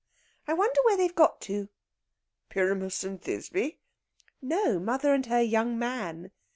I wonder where they've got to?" "Pyramus and Thisbe?" "No, mother and her young man....